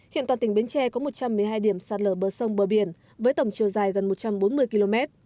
hiện toàn tỉnh bến tre có một trăm một mươi hai điểm sạt lở bờ sông bờ biển với tổng chiều dài gần một trăm bốn mươi km